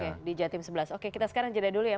oke di jatim sebelas oke kita sekarang jeda dulu ya